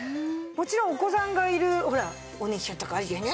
もちろんお子さんがいるほらおねしょとかあるじゃない？